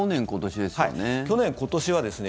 去年、今年はですね